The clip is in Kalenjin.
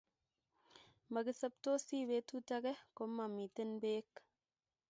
Magisoptosi betut age komamiten beek